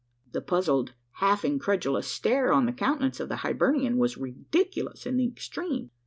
The puzzled, half incredulous stare, on the countenance of the Hibernian, was ridiculous in the extreme.